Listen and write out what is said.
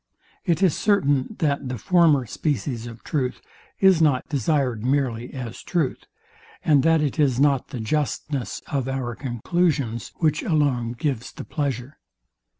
It is certain, that the former species of truth, is not desired merely as truth, and that it is not the justness of our conclusions, which alone gives the pleasure.